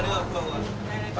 anh áo kẻ này hả